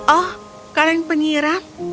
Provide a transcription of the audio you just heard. oh kalian penyiram